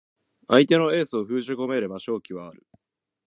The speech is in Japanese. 相手のエースを封じ込めれば勝機はある